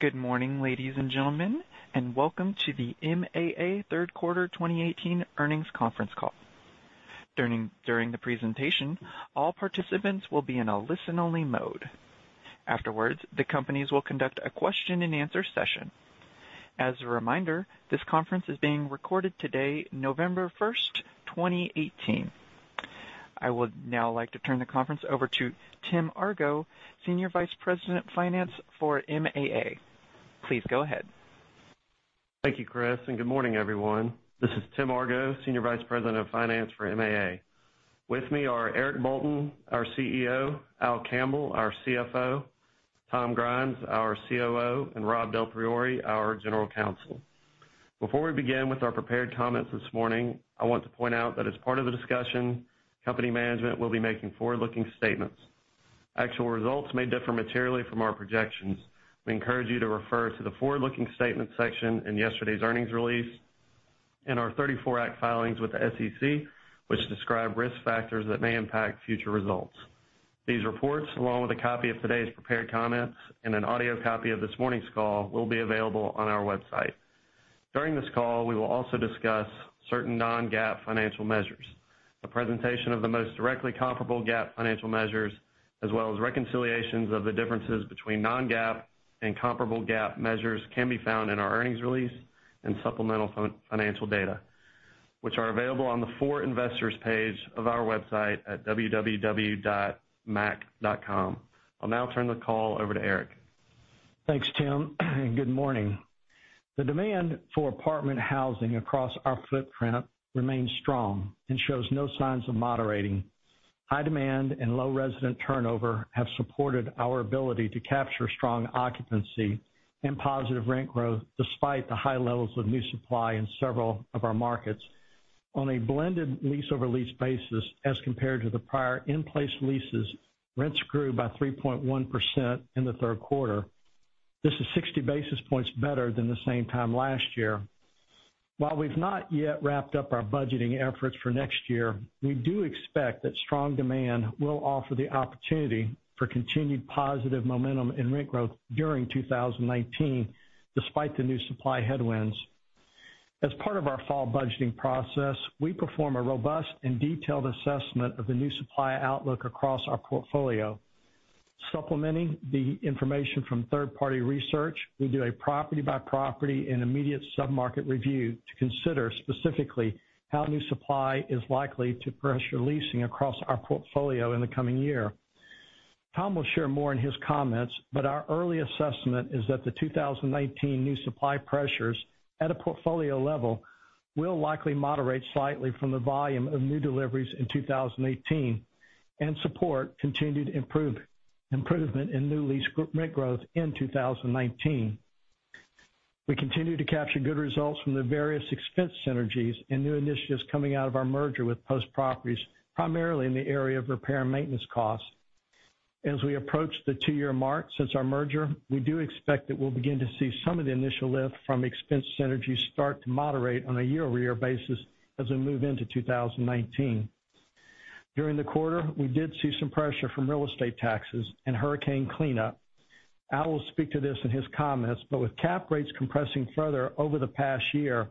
Good morning, ladies and gentlemen, and welcome to the MAA Third Quarter 2018 Earnings Conference Call. During the presentation, all participants will be in a listen-only mode. Afterwards, the companies will conduct a question and answer session. As a reminder, this conference is being recorded today, November 1st, 2018. I would now like to turn the conference over to Tim Argo, Senior Vice President of Finance for MAA. Please go ahead. Thank you, Chris. Good morning, everyone. This is Tim Argo, Senior Vice President of Finance for MAA. With me are Eric Bolton, our CEO, Al Campbell, our CFO, Tom Grimes, our COO, and Rob Del Priore, our General Counsel. Before we begin with our prepared comments this morning, I want to point out that as part of the discussion, company management will be making forward-looking statements. Actual results may differ materially from our projections. We encourage you to refer to the forward-looking statements section in yesterday's earnings release and our 34 Act filings with the SEC, which describe risk factors that may impact future results. These reports, along with a copy of today's prepared comments and an audio copy of this morning's call, will be available on our website. During this call, we will also discuss certain non-GAAP financial measures. A presentation of the most directly comparable GAAP financial measures, as well as reconciliations of the differences between non-GAAP and comparable GAAP measures, can be found in our earnings release and supplemental financial data, which are available on the For Investors page of our website at www.maac.com. I'll now turn the call over to Eric. Thanks, Tim. Good morning. The demand for apartment housing across our footprint remains strong and shows no signs of moderating. High demand and low resident turnover have supported our ability to capture strong occupancy and positive rent growth, despite the high levels of new supply in several of our markets. On a blended lease-over-lease basis, as compared to the prior in-place leases, rents grew by 3.1% in the third quarter. This is 60 basis points better than the same time last year. While we've not yet wrapped up our budgeting efforts for next year, we do expect that strong demand will offer the opportunity for continued positive momentum in rent growth during 2019, despite the new supply headwinds. As part of our fall budgeting process, we perform a robust and detailed assessment of the new supply outlook across our portfolio. Supplementing the information from third-party research, we do a property-by-property and immediate submarket review to consider specifically how new supply is likely to pressure leasing across our portfolio in the coming year. Tom will share more in his comments, but our early assessment is that the 2019 new supply pressures at a portfolio level will likely moderate slightly from the volume of new deliveries in 2018 and support continued improvement in new lease rent growth in 2019. We continue to capture good results from the various expense synergies and new initiatives coming out of our merger with Post Properties, primarily in the area of repair and maintenance costs. As we approach the two-year mark since our merger, we do expect that we'll begin to see some of the initial lift from expense synergies start to moderate on a year-over-year basis as we move into 2019. During the quarter, we did see some pressure from real estate taxes and hurricane cleanup. Al will speak to this in his comments, but with cap rates compressing further over the past year,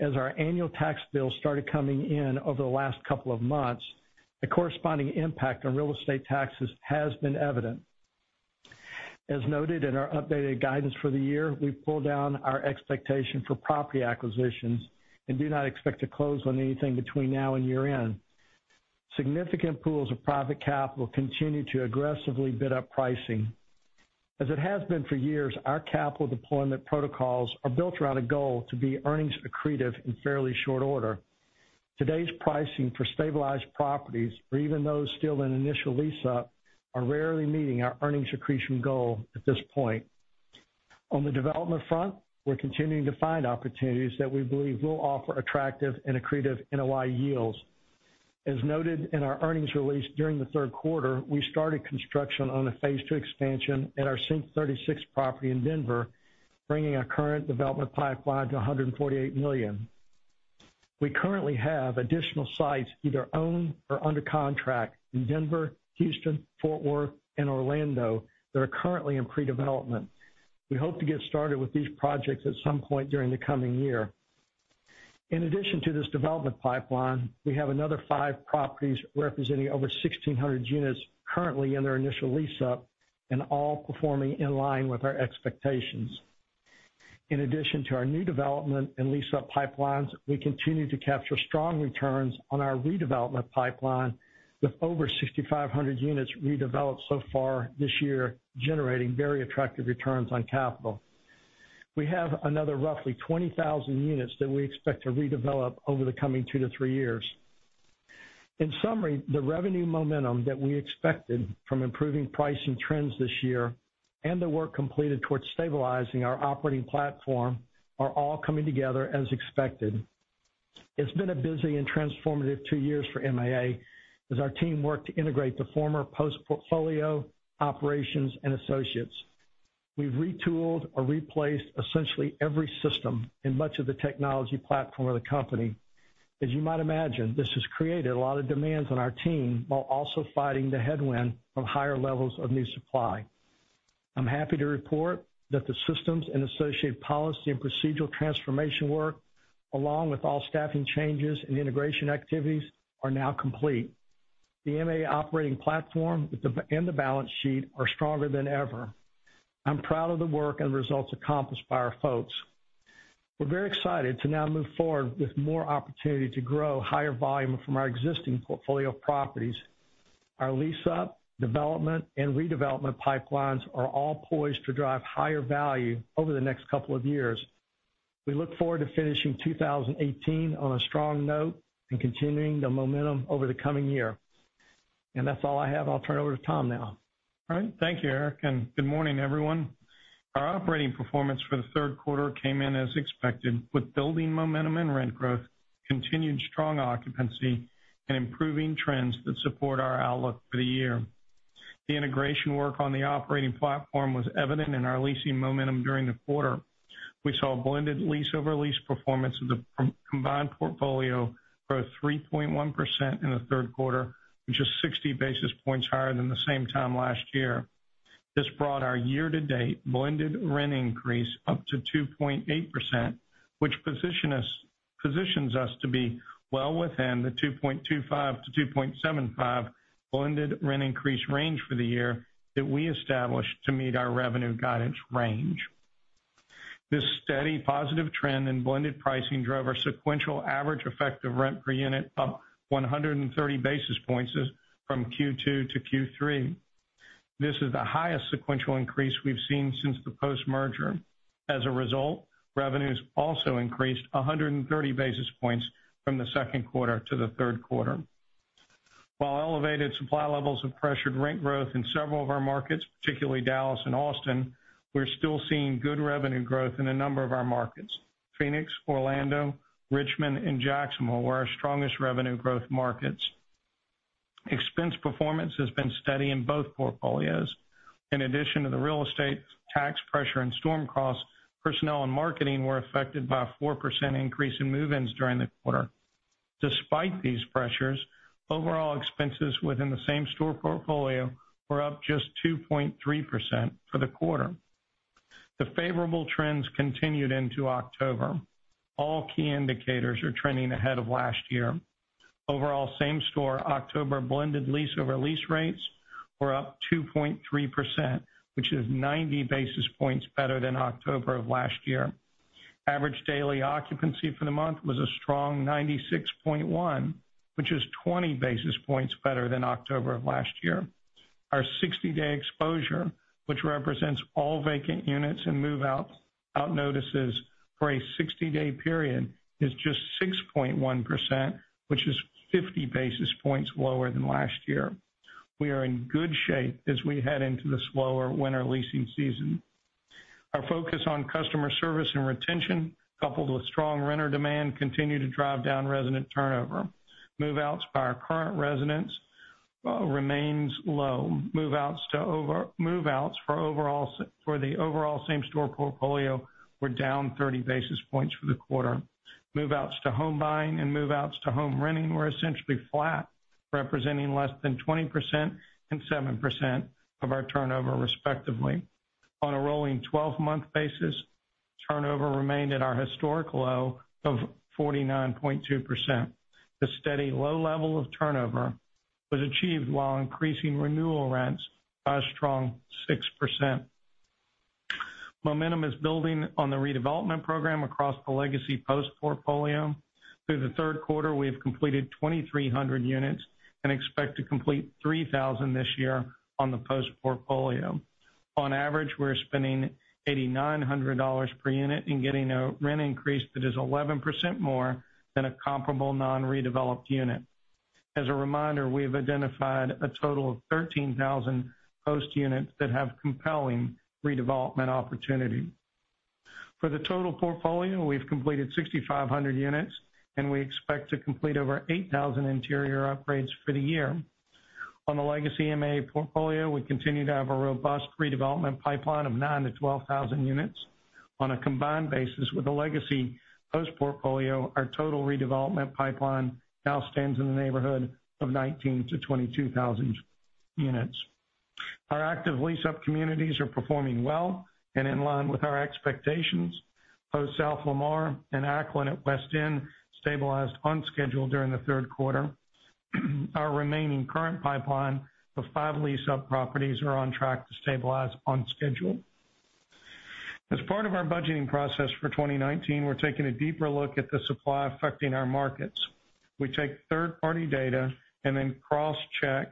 as our annual tax bill started coming in over the last couple of months, the corresponding impact on real estate taxes has been evident. As noted in our updated guidance for the year, we've pulled down our expectation for property acquisitions and do not expect to close on anything between now and year-end. Significant pools of private capital continue to aggressively bid up pricing. As it has been for years, our capital deployment protocols are built around a goal to be earnings accretive in fairly short order. Today's pricing for stabilized properties, or even those still in initial lease-up, are rarely meeting our earnings accretion goal at this point. On the development front, we're continuing to find opportunities that we believe will offer attractive and accretive NOI yields. As noted in our earnings release during the third quarter, we started construction on a phase two expansion at our Sync36 property in Denver, bringing our current development pipeline to $148 million. We currently have additional sites, either owned or under contract, in Denver, Houston, Fort Worth, and Orlando that are currently in pre-development. We hope to get started with these projects at some point during the coming year. In addition to this development pipeline, we have another five properties representing over 1,600 units currently in their initial lease-up and all performing in line with our expectations. In addition to our new development and lease-up pipelines, we continue to capture strong returns on our redevelopment pipeline with over 6,500 units redeveloped so far this year, generating very attractive returns on capital. We have another roughly 20,000 units that we expect to redevelop over the coming two to three years. In summary, the revenue momentum that we expected from improving pricing trends this year and the work completed towards stabilizing our operating platform are all coming together as expected. It's been a busy and transformative two years for MAA as our team worked to integrate the former Post portfolio, operations, and associates. We've retooled or replaced essentially every system and much of the technology platform of the company. As you might imagine, this has created a lot of demands on our team while also fighting the headwind of higher levels of new supply. I'm happy to report that the systems and associated policy and procedural transformation work, along with all staffing changes and integration activities, are now complete. The MAA operating platform and the balance sheet are stronger than ever. I'm proud of the work and results accomplished by our folks. We're very excited to now move forward with more opportunity to grow higher volume from our existing portfolio of properties. Our lease-up, development, and redevelopment pipelines are all poised to drive higher value over the next couple of years. We look forward to finishing 2018 on a strong note and continuing the momentum over the coming year. That's all I have. I'll turn it over to Tom now. All right. Thank you, Eric, and good morning, everyone. Our operating performance for the third quarter came in as expected, with building momentum and rent growth, continued strong occupancy, and improving trends that support our outlook for the year. The integration work on the operating platform was evident in our leasing momentum during the quarter. We saw a blended lease over lease performance of the combined portfolio grow 3.1% in the third quarter, which is 60 basis points higher than the same time last year. This brought our year-to-date blended rent increase up to 2.8%, which positions us to be well within the 2.25%-2.75% blended rent increase range for the year that we established to meet our revenue guidance range. This steady positive trend in blended pricing drove our sequential average effective rent per unit up 130 basis points from Q2 to Q3. This is the highest sequential increase we've seen since the post-merger. As a result, revenues also increased 130 basis points from the second quarter to the third quarter. While elevated supply levels have pressured rent growth in several of our markets, particularly Dallas and Austin, we're still seeing good revenue growth in a number of our markets. Phoenix, Orlando, Richmond, and Jacksonville were our strongest revenue growth markets. Expense performance has been steady in both portfolios. In addition to the real estate tax pressure and storm costs, personnel and marketing were affected by a 4% increase in move-ins during the quarter. Despite these pressures, overall expenses within the same store portfolio were up just 2.3% for the quarter. The favorable trends continued into October. All key indicators are trending ahead of last year. Overall same store October blended lease over lease rates were up 2.3%, which is 90 basis points better than October of last year. Average daily occupancy for the month was a strong 96.1%, which is 20 basis points better than October of last year. Our 60-day exposure, which represents all vacant units and move-out notices for a 60-day period, is just 6.1%, which is 50 basis points lower than last year. We are in good shape as we head into the slower winter leasing season. Our focus on customer service and retention, coupled with strong renter demand, continue to drive down resident turnover. Move-outs by our current residents remains low. Move-outs for the overall same store portfolio were down 30 basis points for the quarter. Move-outs to home buying and move-outs to home renting were essentially flat, representing less than 20% and 7% of our turnover respectively. On a rolling 12-month basis, turnover remained at our historic low of 49.2%. The steady low level of turnover was achieved while increasing renewal rents by a strong 6%. Momentum is building on the redevelopment program across the legacy Post portfolio. Through the third quarter, we have completed 2,300 units and expect to complete 3,000 this year on the Post portfolio. On average, we're spending $8,900 per unit and getting a rent increase that is 11% more than a comparable non-redeveloped unit. As a reminder, we have identified a total of 13,000 Post units that have compelling redevelopment opportunity. For the total portfolio, we've completed 6,500 units, and we expect to complete over 8,000 interior upgrades for the year. On the legacy MA portfolio, we continue to have a robust redevelopment pipeline of nine to 12,000 units. On a combined basis with the legacy Post portfolio, our total redevelopment pipeline now stands in the neighborhood of 19 to 22,000 units. Our active lease-up communities are performing well and in line with our expectations. Post South Lamar and Acklen at West End stabilized on schedule during the third quarter. Our remaining current pipeline of five lease-up properties are on track to stabilize on schedule. As part of our budgeting process for 2019, we're taking a deeper look at the supply affecting our markets. We take third-party data and cross-check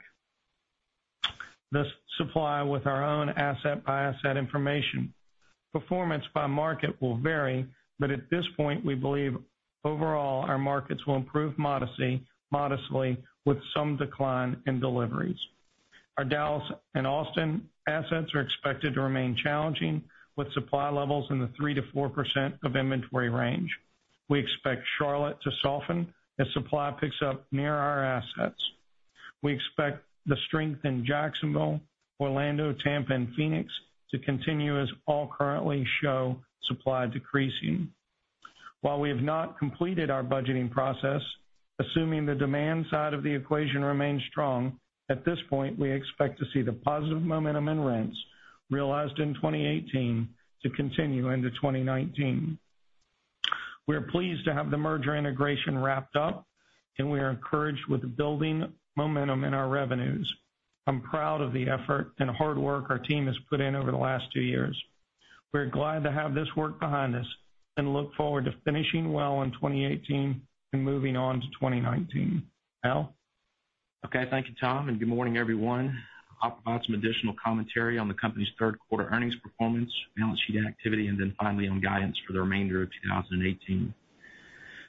the supply with our own asset by asset information. Performance by market will vary, but at this point, we believe overall our markets will improve modestly with some decline in deliveries. Our Dallas and Austin assets are expected to remain challenging with supply levels in the 3%-4% of inventory range. We expect Charlotte to soften as supply picks up near our assets. We expect the strength in Jacksonville, Orlando, Tampa, and Phoenix to continue as all currently show supply decreasing. While we have not completed our budgeting process, assuming the demand side of the equation remains strong, at this point, we expect to see the positive momentum in rents realized in 2018 to continue into 2019. We are pleased to have the merger integration wrapped up, and we are encouraged with the building momentum in our revenues. I'm proud of the effort and hard work our team has put in over the last two years. We're glad to have this work behind us and look forward to finishing well in 2018 and moving on to 2019. Al? Okay. Thank you, Tom, and good morning, everyone. I'll provide some additional commentary on the company's third quarter earnings performance, balance sheet activity, and finally, on guidance for the remainder of 2018.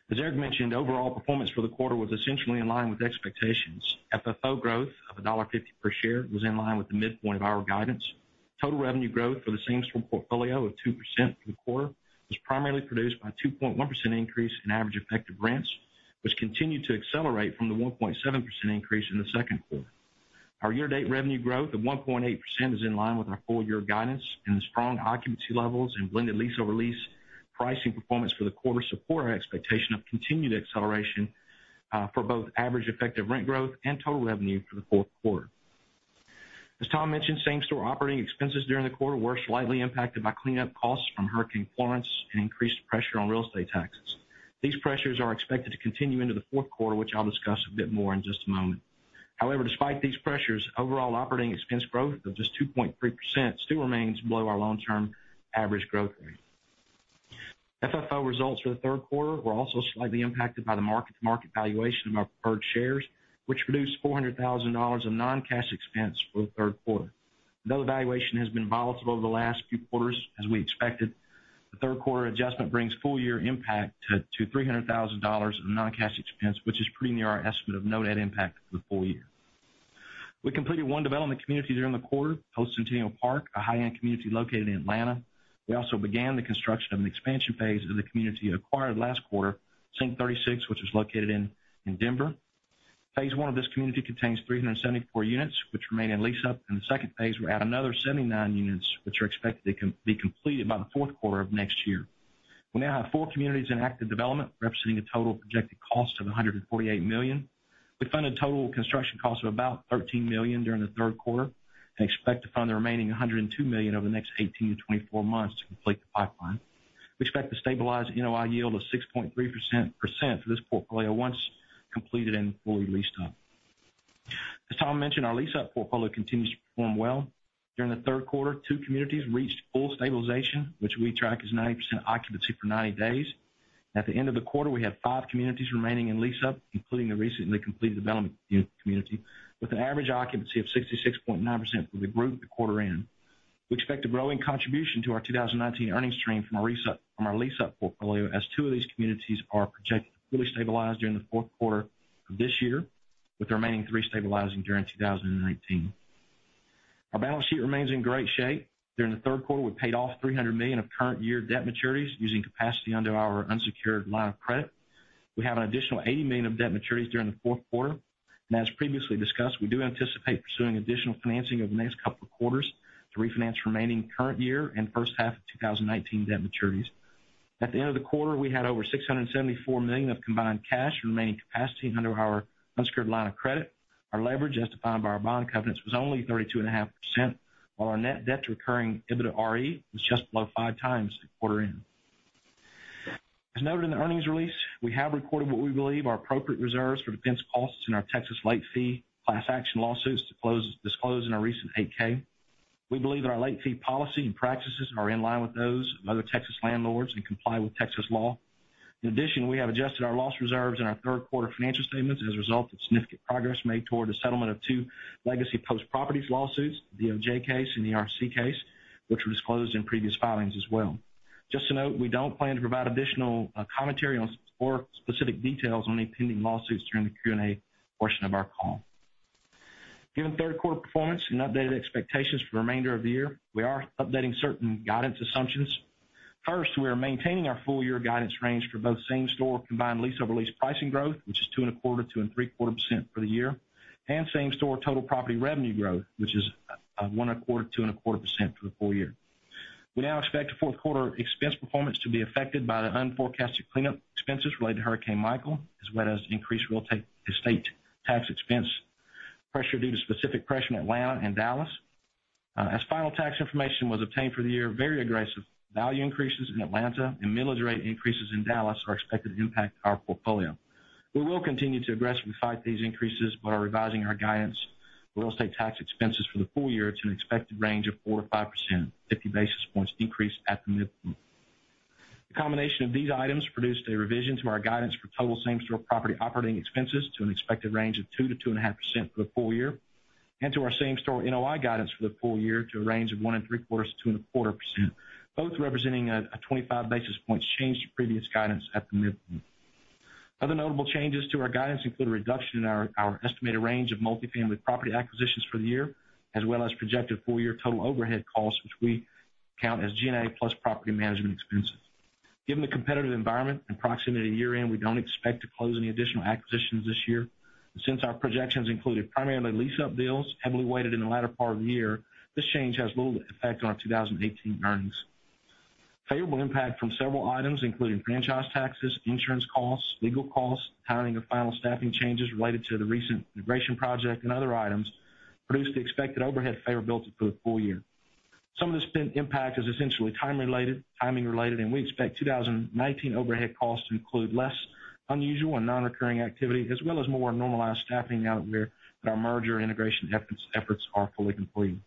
As Eric mentioned, overall performance for the quarter was essentially in line with expectations. FFO growth of $1.50 per share was in line with the midpoint of our guidance. Total revenue growth for the same-store portfolio of 2% for the quarter was primarily produced by a 2.1% increase in average effective rents, which continued to accelerate from the 1.7% increase in the second quarter. Our year-to-date revenue growth of 1.8% is in line with our full-year guidance, and the strong occupancy levels and blended lease-over-lease pricing performance for the quarter support our expectation of continued acceleration for both average effective rent growth and total revenue for the fourth quarter. As Tom mentioned, same-store operating expenses during the quarter were slightly impacted by cleanup costs from Hurricane Florence and increased pressure on real estate taxes. These pressures are expected to continue into the fourth quarter, which I'll discuss a bit more in just a moment. However, despite these pressures, overall operating expense growth of just 2.3% still remains below our long-term average growth rate. FFO results for the third quarter were also slightly impacted by the mark-to-market valuation of our preferred shares, which produced $400,000 of non-cash expense for the third quarter. Though valuation has been volatile over the last few quarters, as we expected, the third quarter adjustment brings full-year impact to $300,000 of non-cash expense, which is pretty near our estimate of no net impact for the full year. We completed one development community during the quarter, Post Centennial Park, a high-end community located in Atlanta. We also began the construction of an expansion phase of the community acquired last quarter, Sync36, which is located in Denver. Phase one of this community contains 374 units, which remain in lease-up, and the second phase will add another 79 units, which are expected to be completed by the fourth quarter of next year. We now have four communities in active development, representing a total projected cost of $148 million. We funded total construction costs of about $13 million during the third quarter and expect to fund the remaining $102 million over the next 18 to 24 months to complete the pipeline. We expect to stabilize an NOI yield of 6.3% for this portfolio once completed and fully leased up. As Tom mentioned, our lease-up portfolio continues to perform well. During the third quarter, two communities reached full stabilization, which we track as 90% occupancy for 90 days. At the end of the quarter, we have five communities remaining in lease-up, including the recently completed development community, with an average occupancy of 66.9% for the group at quarter end. We expect a growing contribution to our 2019 earnings stream from our lease-up portfolio, as two of these communities are projected to fully stabilize during the fourth quarter of this year, with the remaining three stabilizing during 2019. Our balance sheet remains in great shape. During the third quarter, we paid off $300 million of current year debt maturities using capacity under our unsecured line of credit. As previously discussed, we do anticipate pursuing additional financing over the next couple of quarters to refinance remaining current year and first half of 2019 debt maturities. At the end of the quarter, we had over $674 million of combined cash remaining capacity under our unsecured line of credit. Our leverage, as defined by our bond covenants, was only 32.5%, while our net debt to recurring EBITDAre was just below five times at quarter end. As noted in the earnings release, we have recorded what we believe are appropriate reserves for defense costs in our Texas late fee class action lawsuits disclosed in our recent 8-K. We believe that our late fee policy and practices are in line with those of other Texas landlords and comply with Texas law. In addition, we have adjusted our loss reserves in our third quarter financial statements as a result of significant progress made toward the settlement of two legacy Post Properties lawsuits, the OJ case and the RC case, which were disclosed in previous filings as well. Just to note, we don't plan to provide additional commentary or specific details on any pending lawsuits during the Q&A portion of our call. Given third quarter performance and updated expectations for the remainder of the year, we are updating certain guidance assumptions. First, we are maintaining our full-year guidance range for both same store combined lease-over-lease pricing growth, which is 2.25%-2.75% for the year, and same store total property revenue growth, which is 1.25%-2.25% for the full year. We now expect fourth quarter expense performance to be affected by the unforecasted cleanup expenses related to Hurricane Michael as well as increased real estate tax expense pressure due to specific pressure in Atlanta and Dallas. As final tax information was obtained for the year, very aggressive value increases in Atlanta and millage rate increases in Dallas are expected to impact our portfolio. We will continue to aggressively fight these increases, revising our guidance for real estate tax expenses for the full year to an expected range of 4%-5%, 50 basis points increase at the midpoint. The combination of these items produced a revision to our guidance for total same store property operating expenses to an expected range of 2%-2.5% for the full year and to our same store NOI guidance for the full year to a range of 1.75%-2.25%, both representing a 25 basis points change to previous guidance at the midpoint. Other notable changes to our guidance include a reduction in our estimated range of multifamily property acquisitions for the year, as well as projected full-year total overhead costs, which we count as G&A plus property management expenses. Given the competitive environment and proximity to year-end, we don't expect to close any additional acquisitions this year. Since our projections included primarily lease-up deals heavily weighted in the latter part of the year, this change has little effect on our 2018 earnings. Favorable impact from several items, including franchise taxes, insurance costs, legal costs, timing of final staffing changes related to the recent integration project, and other items, produced the expected overhead favorability for the full year. Some of the spend impact is essentially timing related, we expect 2019 overhead costs to include less unusual and non-recurring activity, as well as more normalized staffing now that our merger integration efforts are fully complete.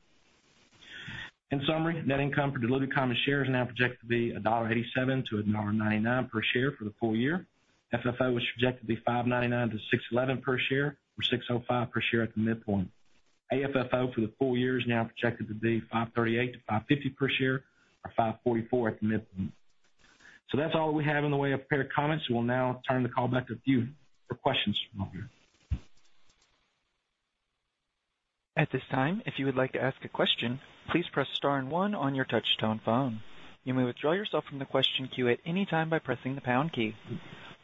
In summary, net income for delivered common shares is now projected to be $1.87-$1.99 per share for the full year. FFO is projected to be $5.99-$6.11 per share, or $6.05 per share at the midpoint. AFFO for the full year is now projected to be $5.38-$5.50 per share or $5.44 at the midpoint. That's all we have in the way of prepared comments. We'll now turn the call back to you for questions from all of you. At this time, if you would like to ask a question, please press star and one on your touch-tone phone. You may withdraw yourself from the question queue at any time by pressing the pound key.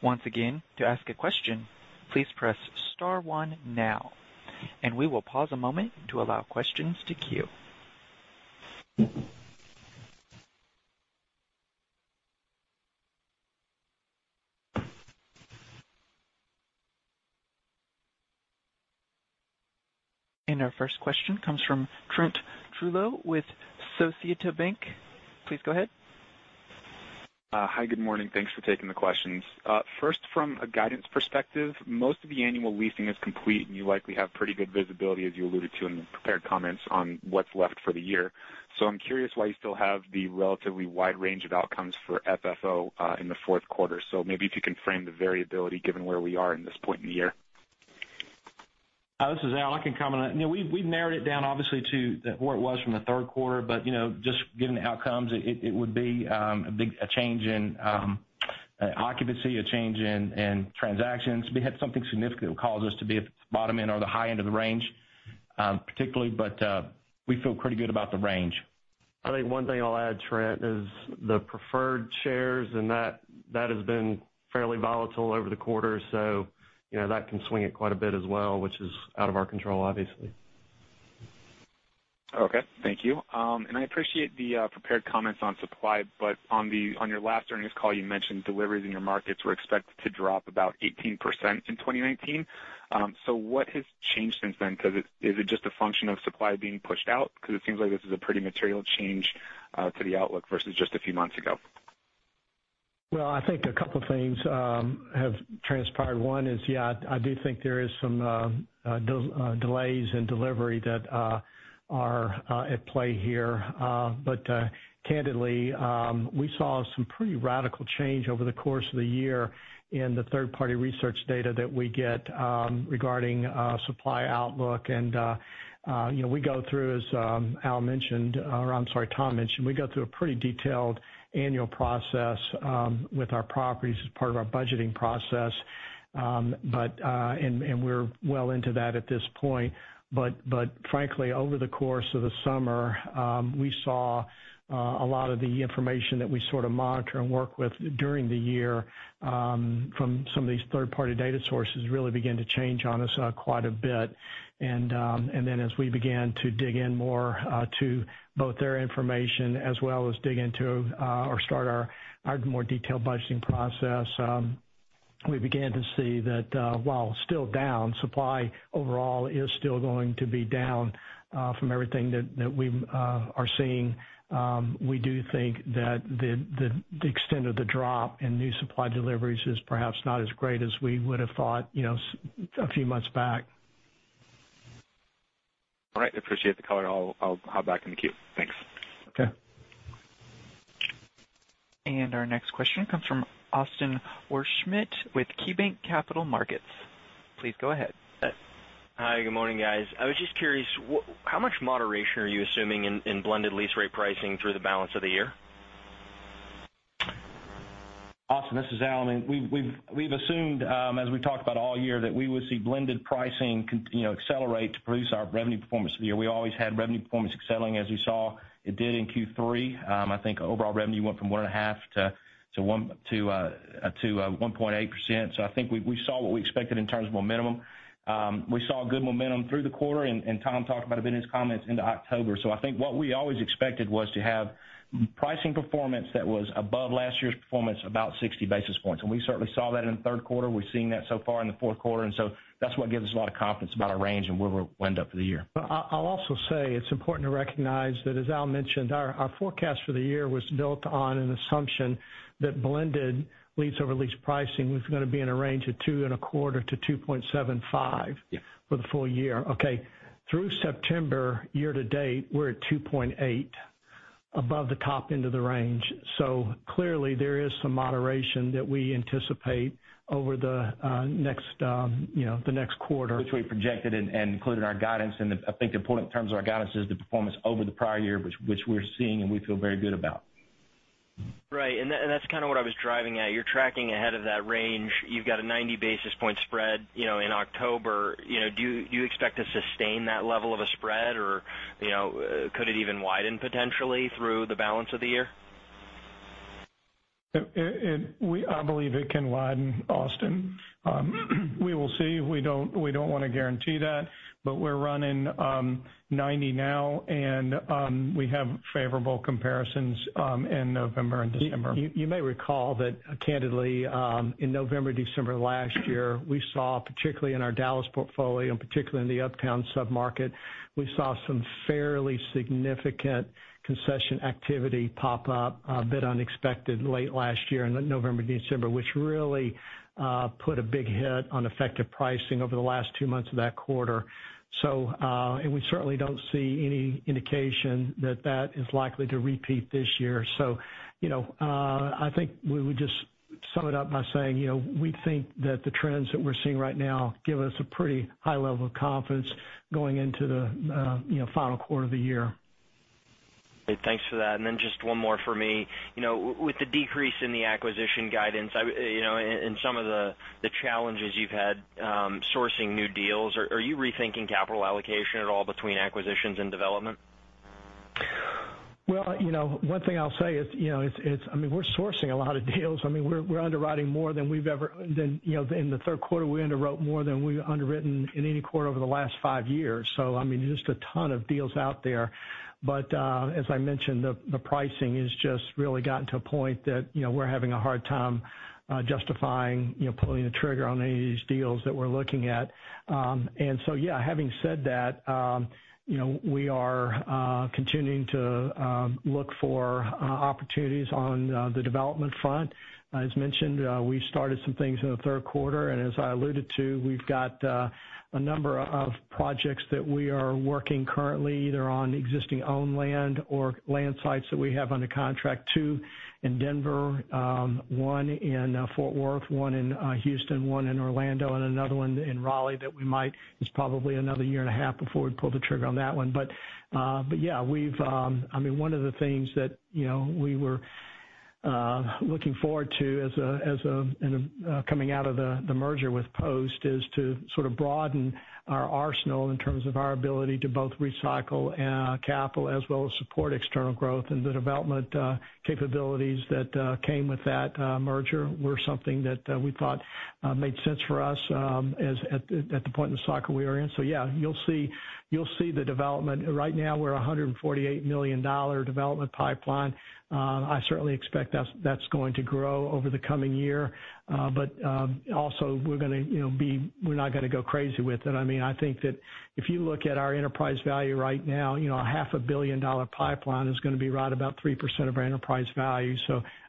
Once again, to ask a question, please press star one now, we will pause a moment to allow questions to queue. Our first question comes from Trent Trujillo with Scotiabank. Please go ahead. Hi, good morning. Thanks for taking the questions. First, from a guidance perspective, most of the annual leasing is complete, and you likely have pretty good visibility, as you alluded to in the prepared comments on what's left for the year. I'm curious why you still have the relatively wide range of outcomes for FFO in the fourth quarter. Maybe if you can frame the variability given where we are in this point in the year. Hi, this is Al. I can comment on it. We've narrowed it down obviously to where it was from the third quarter, but just given the outcomes, it would be a big change in occupancy, a change in transactions. We had something significant that would cause us to be at the bottom end or the high end of the range, particularly, but we feel pretty good about the range. I think one thing I'll add, Trent, is the preferred shares, and that has been fairly volatile over the quarter, so that can swing it quite a bit as well, which is out of our control, obviously. Okay. Thank you. I appreciate the prepared comments on supply, but on your last earnings call, you mentioned deliveries in your markets were expected to drop about 18% in 2019. What has changed since then? Is it just a function of supply being pushed out? It seems like this is a pretty material change to the outlook versus just a few months ago. Well, I think a couple things have transpired. One is, yeah, I do think there is some delays in delivery that are at play here. Candidly, we saw some pretty radical change over the course of the year in the third-party research data that we get, regarding supply outlook. We go through, as Al mentioned, or I'm sorry, Tom mentioned, we go through a pretty detailed annual process with our properties as part of our budgeting process. We're well into that at this point. Frankly, over the course of the summer, we saw a lot of the information that we sort of monitor and work with during the year, from some of these third-party data sources, really begin to change on us quite a bit. As we began to dig in more to both their information as well as dig into or start our more detailed budgeting process, we began to see that while still down, supply overall is still going to be down from everything that we are seeing. We do think that the extent of the drop in new supply deliveries is perhaps not as great as we would've thought a few months back. All right. Appreciate the color. I'll hop back in the queue. Thanks. Okay. Our next question comes from Austin Wurschmidt with KeyBanc Capital Markets. Please go ahead. Hi. Good morning, guys. I was just curious, how much moderation are you assuming in blended lease rate pricing through the balance of the year? Austin, this is Al. We've assumed, as we talked about all year, that we would see blended pricing accelerate to produce our revenue performance for the year. We always had revenue performance accelerating as you saw it did in Q3. I think overall revenue went from 1.5%-1.8%, so I think we saw what we expected in terms of momentum. We saw good momentum through the quarter, and Tom talked about a bit in his comments into October. I think what we always expected was to have pricing performance that was above last year's performance, about 60 basis points. We certainly saw that in the third quarter. We've seen that so far in the fourth quarter, that's what gives us a lot of confidence about our range and where we'll end up for the year. I'll also say it's important to recognize that, as Al mentioned, our forecast for the year was built on an assumption that blended lease-over-lease pricing was going to be in a range of two and a quarter % to 2.75%- Yeah for the full year. Okay. Through September, year-to-date, we're at 2.8, above the top end of the range. Clearly, there is some moderation that we anticipate over the next quarter. Which we projected and included in our guidance. I think the important terms of our guidance is the performance over the prior year, which we're seeing and we feel very good about. Right. That's kind of what I was driving at. You're tracking ahead of that range. You've got a 90-basis-point spread in October. Do you expect to sustain that level of a spread, or could it even widen potentially through the balance of the year? I believe it can widen, Austin. We will see. We don't want to guarantee that, but we're running 90 now, and we have favorable comparisons in November and December. You may recall that candidly, in November, December last year, we saw, particularly in our Dallas portfolio and particularly in the Uptown submarket, we saw some fairly significant concession activity pop up, a bit unexpected late last year in November, December, which really put a big hit on effective pricing over the last two months of that quarter. We certainly don't see any indication that that is likely to repeat this year. I think we would just sum it up by saying, we think that the trends that we're seeing right now give us a pretty high level of confidence going into the final quarter of the year. Great. Thanks for that. Just one more for me. With the decrease in the acquisition guidance, and some of the challenges you've had sourcing new deals, are you rethinking capital allocation at all between acquisitions and development? One thing I'll say is, we're sourcing a lot of deals. We're underwriting more than we've ever. In the third quarter, we underwrote more than we've underwritten in any quarter over the last five years. Just a ton of deals out there. As I mentioned, the pricing has just really gotten to a point that we're having a hard time justifying pulling the trigger on any of these deals that we're looking at. Yeah, having said that, we are continuing to look for opportunities on the development front. As mentioned, we started some things in the third quarter, as I alluded to, we've got a number of projects that we are working currently, either on existing owned land or land sites that we have under contract to in Denver, one in Fort Worth, one in Houston, one in Orlando, and another one in Raleigh. It's probably another year and a half before we pull the trigger on that one. Yeah, one of the things that we were looking forward to as coming out of the merger with Post is to sort of broaden our arsenal in terms of our ability to both recycle capital as well as support external growth. The development capabilities that came with that merger were something that we thought made sense for us at the point in the cycle we are in. Yeah, you'll see the development. Right now, we're $148 million development pipeline. I certainly expect that's going to grow over the coming year. Also we're not going to go crazy with it. I think that if you look at our enterprise value right now, a half a billion-dollar pipeline is going to be right about 3% of our enterprise value.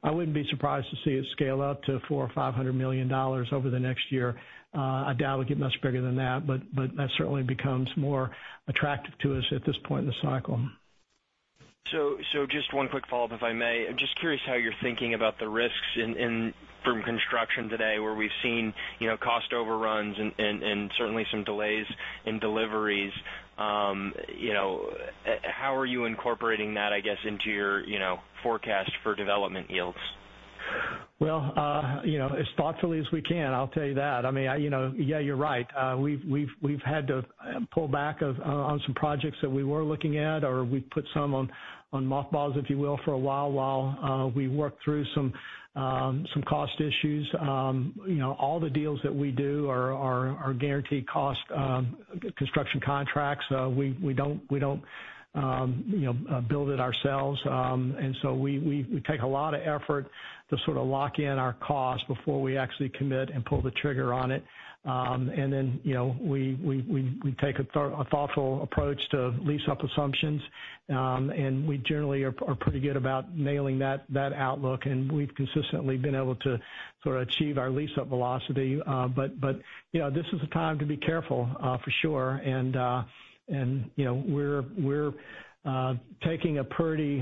I wouldn't be surprised to see it scale up to $400 or $500 million over the next year. I doubt it'll get much bigger than that, but that certainly becomes more attractive to us at this point in the cycle. Just one quick follow-up, if I may. Just curious how you're thinking about the risks from construction today, where we've seen cost overruns and certainly some delays in deliveries. How are you incorporating that, I guess, into your forecast for development yields? Well, as thoughtfully as we can, I'll tell you that. Yeah, you're right. We've had to pull back on some projects that we were looking at, or we put some on mothballs, if you will, for a while we work through some cost issues. All the deals that we do are guaranteed cost construction contracts. We don't build it ourselves. We take a lot of effort to sort of lock in our costs before we actually commit and pull the trigger on it. We then take a thoughtful approach to lease-up assumptions. We generally are pretty good about nailing that outlook, and we've consistently been able to sort of achieve our lease-up velocity. This is a time to be careful, for sure. We're taking a pretty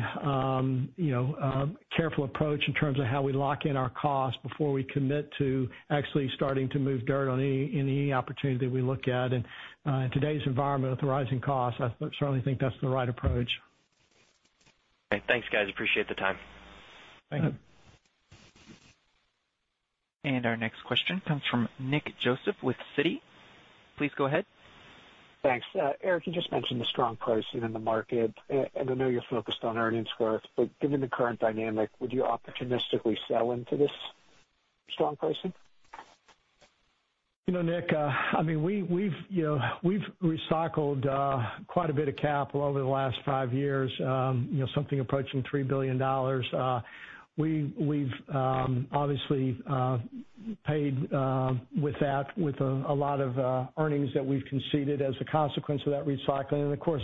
careful approach in terms of how we lock in our costs before we commit to actually starting to move dirt on any opportunity we look at. In today's environment with rising costs, I certainly think that's the right approach. Okay. Thanks, guys. Appreciate the time. Thank you. Our next question comes from Nick Joseph with Citi. Please go ahead. Thanks. Eric, you just mentioned the strong pricing in the market. I know you're focused on earnings growth, but given the current dynamic, would you opportunistically sell into this strong pricing? Nick, we've recycled quite a bit of capital over the last five years. Something approaching $3 billion. We've obviously paid with that with a lot of earnings that we've conceded as a consequence of that recycling. Of course,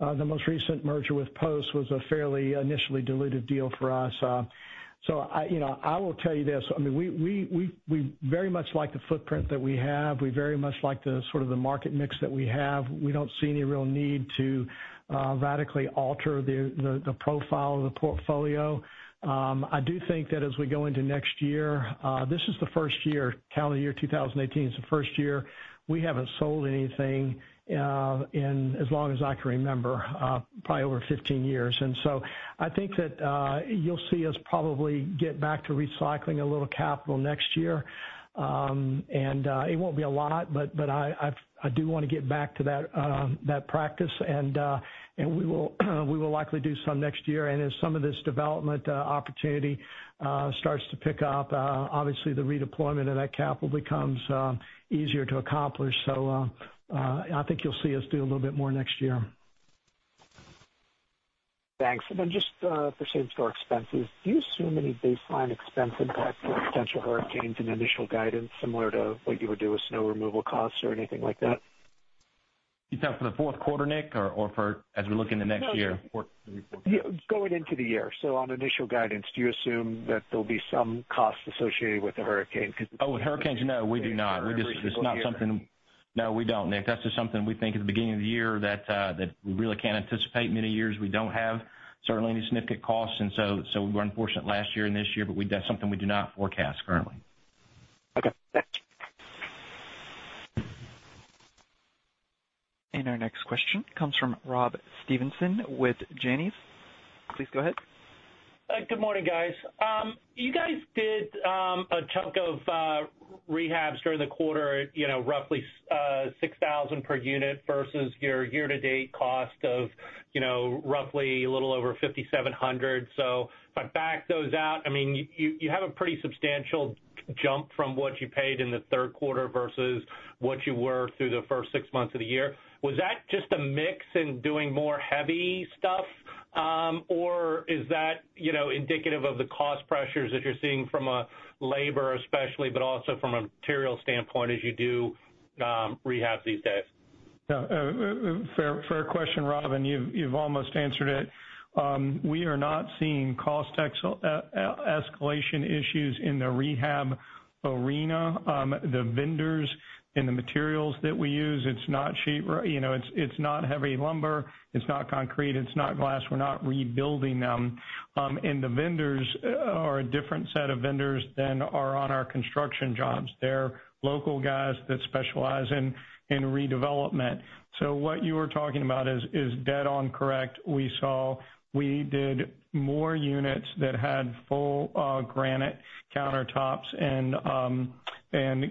the most recent merger with Post was a fairly initially dilutive deal for us. I will tell you this. We very much like the footprint that we have. We very much like the sort of the market mix that we have. We don't see any real need to radically alter the profile of the portfolio. I do think that as we go into next year, this is the first year, calendar year 2018 is the first year we haven't sold anything in as long as I can remember, probably over 15 years. I think that you'll see us probably get back to recycling a little capital next year. It won't be a lot, but I do want to get back to that practice, and we will likely do some next year. As some of this development opportunity starts to pick up, obviously the redeployment of that capital becomes easier to accomplish. I think you'll see us do a little bit more next year. Thanks. Just for same-store expenses, do you assume any baseline expense impact for potential hurricanes in initial guidance, similar to what you would do with snow removal costs or anything like that? You talking about for the fourth quarter, Nick, or as we look into next year? No. Fourth quarter. Going into the year. On initial guidance, do you assume that there'll be some costs associated with the hurricane because- Oh, with hurricanes, no, we do not. No, we don't, Nick. That's just something we think at the beginning of the year that we really can't anticipate. Many years we don't have certainly any significant costs. We were unfortunate last year and this year, but that's something we do not forecast currently. Okay, thanks. Our next question comes from Robert Stevenson with Janney. Please go ahead. Good morning, guys. You guys did a chunk of rehabs during the quarter, roughly 6,000 per unit versus your year-to-date cost of roughly a little over 5,700. If I back those out, you have a pretty substantial jump from what you paid in the third quarter versus what you were through the first six months of the year. Was that just a mix in doing more heavy stuff? Or is that indicative of the cost pressures that you're seeing from a labor especially, but also from a material standpoint as you do rehab these days? No. Fair question, Rob, you've almost answered it. We are not seeing cost escalation issues in the rehab arena. The vendors and the materials that we use, it's not heavy lumber, it's not concrete, it's not glass. We're not rebuilding them. The vendors are a different set of vendors than are on our construction jobs. They're local guys that specialize in redevelopment. What you are talking about is dead on correct. We did more units that had full granite countertops and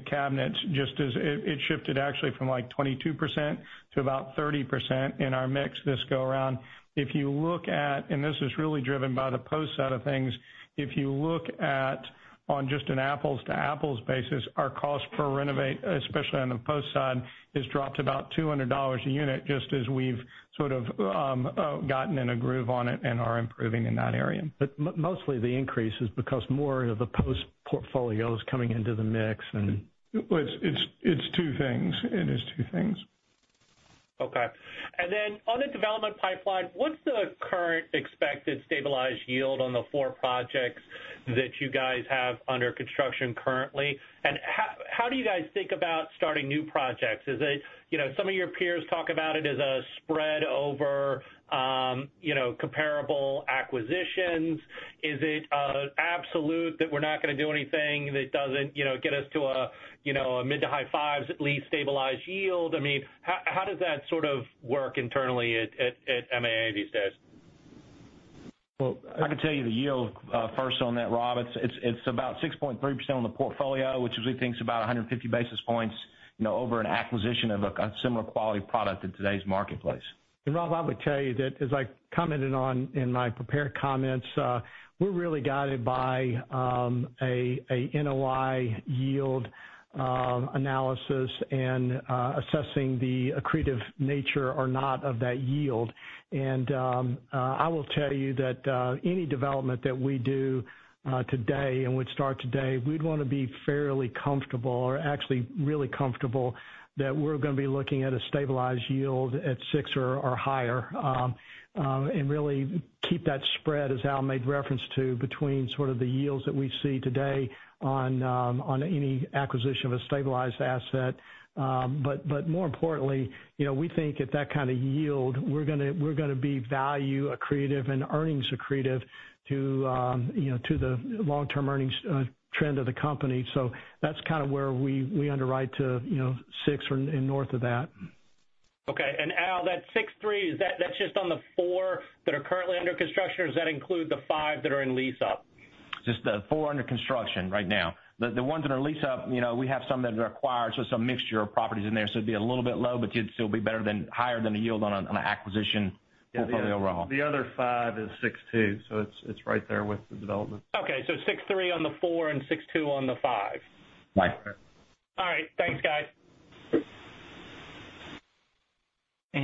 cabinets. It shifted actually from like 22% to about 30% in our mix this go around. This is really driven by the post side of things. If you look at on just an apples-to-apples basis, our cost per renovate, especially on the post side, has dropped about $200 a unit just as we've sort of gotten in a groove on it and are improving in that area. Mostly the increase is because more of the post portfolio is coming into the mix. It's two things. Okay. On the development pipeline, what's the current expected stabilized yield on the four projects that you guys have under construction currently? How do you guys think about starting new projects? Some of your peers talk about it as a spread over comparable acquisitions. Is it absolute that we're not going to do anything that doesn't get us to a mid to high fives at least stabilized yield? How does that sort of work internally at MAA these days? Well- I can tell you the yield first on that, Rob. It's about 6.3% on the portfolio, which as we think is about 150 basis points over an acquisition of a similar quality product in today's marketplace. Rob, I would tell you that as I commented on in my prepared comments, we're really guided by a NOI yield analysis and assessing the accretive nature or not of that yield. I will tell you that any development that we do today and would start today, we'd want to be fairly comfortable or actually really comfortable that we're going to be looking at a stabilized yield at six or higher. Really keep that spread, as Al made reference to, between sort of the yields that we see today on any acquisition of a stabilized asset. More importantly, we think at that kind of yield, we're going to be value accretive and earnings accretive to the long-term earnings trend of the company. That's kind of where we underwrite to six or north of that. Okay. Al, that 6.3%, that's just on the four that are currently under construction, or does that include the five that are in lease up? Just the four under construction right now. The ones that are leased up, we have some that are acquired, some mixture of properties in there. It'd be a little bit low, but you'd still be better than higher than a yield on an acquisition portfolio overall. The other five is 6.2%. It's right there with the development. Okay. 6.3% on the four and 6.2% on the five. Right. Right. All right. Thanks, guys.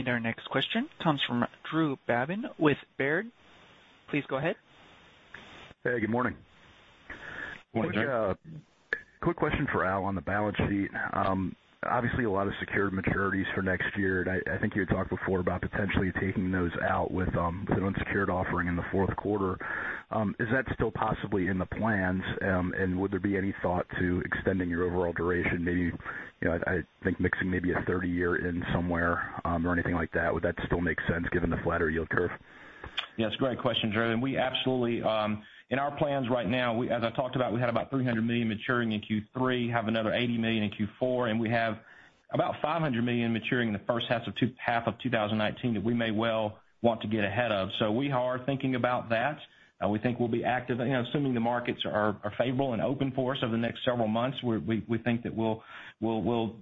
Our next question comes from Drew Babin with Baird. Please go ahead. Hey, good morning. Morning, Drew. Quick question for Al on the balance sheet. Obviously, a lot of secured maturities for next year, I think you had talked before about potentially taking those out with an unsecured offering in the fourth quarter. Is that still possibly in the plans? Would there be any thought to extending your overall duration, maybe I think mixing maybe a 30-year in somewhere or anything like that? Would that still make sense given the flatter yield curve? Yes, great question, Drew. In our plans right now, as I talked about, we had about $300 million maturing in Q3, have another $80 million in Q4, and we have about $500 million maturing in the first half of 2019 that we may well want to get ahead of. We are thinking about that. We think we'll be active. Assuming the markets are favorable and open for us over the next several months, we think that we'll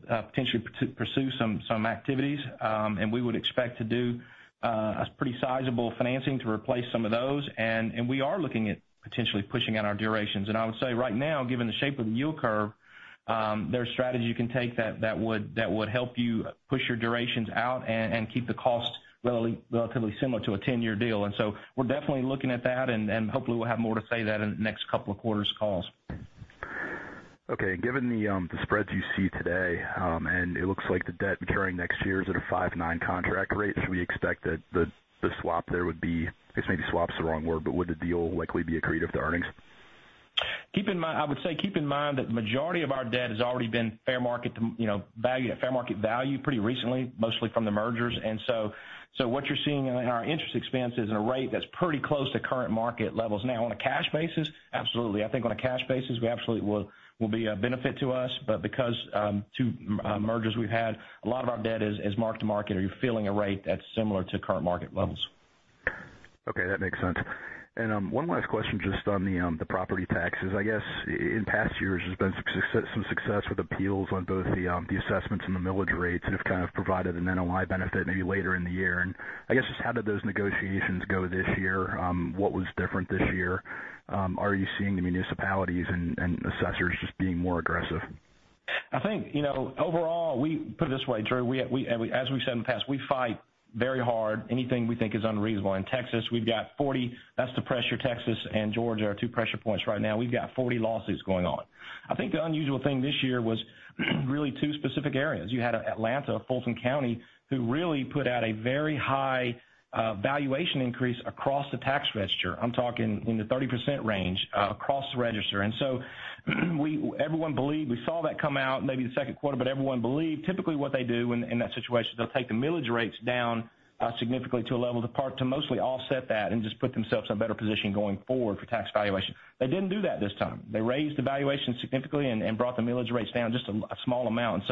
potentially pursue some activities, and we would expect to do a pretty sizable financing to replace some of those. We are looking at potentially pushing out our durations. I would say right now, given the shape of the yield curve, there's strategy you can take that would help you push your durations out and keep the cost relatively similar to a 10-year deal. We're definitely looking at that, and hopefully we'll have more to say that in the next couple of quarters' calls. Okay. Given the spreads you see today, and it looks like the debt maturing next year is at a 5.9% contract rate, should we expect that the swap there would be, I guess maybe swap's the wrong word, but would the deal likely be accretive to earnings? I would say keep in mind that the majority of our debt has already been fair market value pretty recently, mostly from the mergers. What you're seeing in our interest expense is in a rate that's pretty close to current market levels. On a cash basis, absolutely. I think on a cash basis, we absolutely will be a benefit to us. Because two mergers we've had, a lot of our debt is marked to market or you're feeling a rate that's similar to current market levels. Okay, that makes sense. One last question just on the property taxes. I guess in past years, there's been some success with appeals on both the assessments and the millage rates that have kind of provided an NOI benefit maybe later in the year. I guess just how did those negotiations go this year? What was different this year? Are you seeing the municipalities and assessors just being more aggressive? I think, overall, put it this way, Drew, as we've said in the past, we fight very hard anything we think is unreasonable. In Texas, that's the pressure. Texas and Georgia are our two pressure points right now. We've got 40 lawsuits going on. I think the unusual thing this year was really two specific areas. You had Atlanta, Fulton County, who really put out a very high valuation increase across the tax register. I'm talking in the 30% range across the register. Everyone believed, we saw that come out maybe the second quarter, but everyone believed typically what they do in that situation, they'll take the millage rates down significantly to a level, to mostly offset that and just put themselves in a better position going forward for tax valuation. They didn't do that this time. They raised the valuation significantly and brought the millage rates down just a small amount.